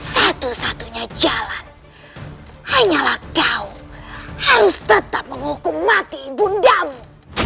satu satunya jalan hanyalah kau harus tetap menghukum mati bundamu